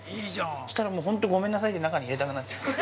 したら、本当にごめんなさいって、中に入れたくなっちゃう。